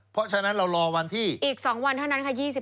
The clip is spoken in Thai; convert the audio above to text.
เพราะฉะนั้นเรารอวันที่อีก๒วันเท่านั้นค่ะ